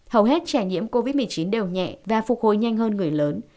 hầu hết trẻ nhiễm covid một mươi chín đều nhẹ và phục hồi nhanh hơn người lớn